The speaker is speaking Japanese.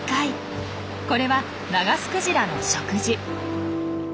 これはナガスクジラの食事。